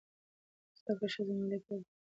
زده کړه ښځه مالي پریکړې په خپلواکه توګه کوي.